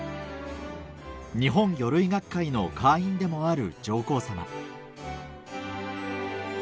日本魚類学会の会員でもある上皇さま